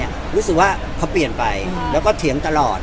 รู้สึกว่าเขาเปลี่ยนไปแล้วก็เถียงตลอด